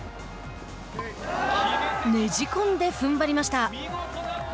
ねじ込んでふんばりました。